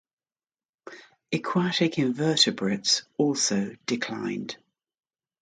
Aquatic invertebrates also declined.